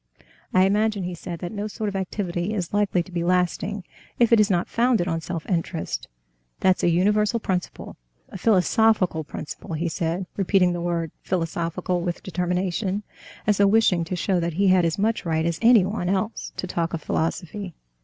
"I imagine," he said, "that no sort of activity is likely to be lasting if it is not founded on self interest, that's a universal principle, a philosophical principle," he said, repeating the word "philosophical" with determination, as though wishing to show that he had as much right as anyone else to talk of philosophy.